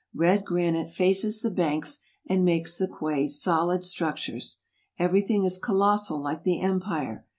Red granite faces the banks and makes the quays solid structures. Everything is colossal like the empire.